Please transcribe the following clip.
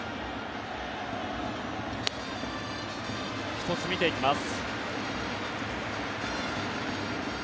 １つ見ていきます。